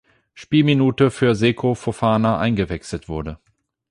Spielminute für Seko Fofana eingewechselt wurde.